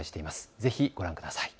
ぜひご覧ください。